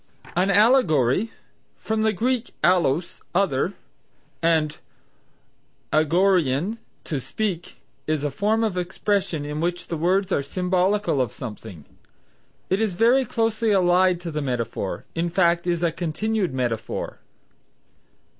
An Allegory (from the Greek allos, other, and agoreuein, to speak), is a form of expression in which the words are symbolical of something. It is very closely allied to the metaphor, in fact is a continued metaphor.